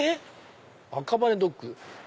赤羽ドッグ。